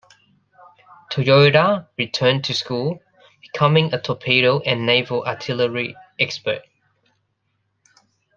Toyoda returned to school, becoming a torpedo and naval artillery expert.